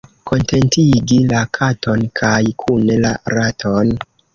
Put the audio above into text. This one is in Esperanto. Kontentigi la katon kaj kune la raton.